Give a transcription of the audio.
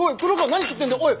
何食ってんだおい！